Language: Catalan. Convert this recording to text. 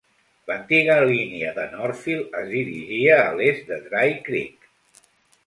L'antiga línia de Northfield es dirigia a l'est de Dry Creek.